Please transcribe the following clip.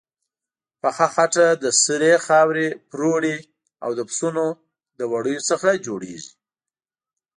پخه خټه له سرې خاورې، پروړې او د پسونو له وړیو څخه جوړیږي.